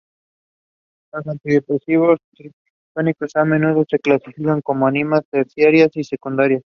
Los antidepresivos tricíclicos a menudo se clasifican como aminas terciarias y secundarias.